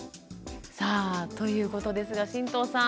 さあということですが神藤さん。